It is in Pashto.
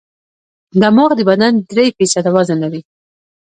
دماغ د بدن درې فیصده وزن لري.